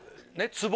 ツボ